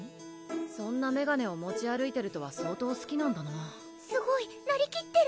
そんなメガネを持ち歩いてるとは相当すきなんだなすごいなりきってる